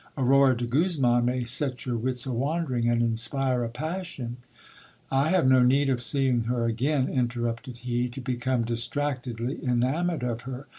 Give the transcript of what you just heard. Aurora de Guzman may set your wits a wandering, and inspire a passion I have no need of seeing her again, interrupted he, to become distractedly enamoured of her.